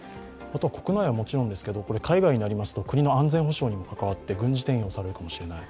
国内はもちろんですけども、か以外になりますと国の安全保障にも関わって軍事転用されるかもしれない。